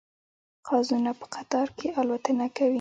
قازونه په قطار کې الوتنه کوي